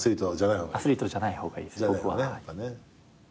アスリートじゃない方がいいです僕は。